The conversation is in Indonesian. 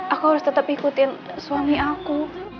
aku harus tetap ikutin suami aku